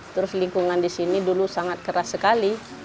terus lingkungan di sini dulu sangat keras sekali